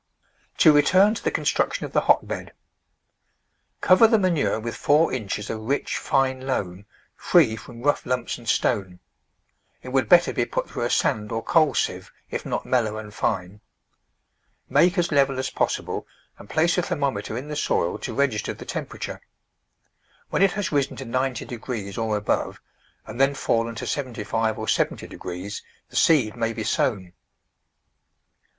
To return to the construction of the hotbed : Cover the manure with four inches of rich, fine loam, free from rough lumps and stone ; it would better be put through a sand or coal sieve if not mellow and fine. Make as level as possible, and place a thermometer in the soil to register the temperature. When it has risen to 90 degrees or above, and then fallen to 75 or 70 degrees, the seed may be sown.